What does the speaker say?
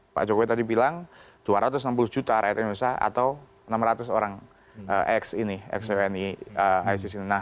pak jokowi tadi bilang dua ratus enam puluh juta rakyat indonesia atau enam ratus orang eksekutif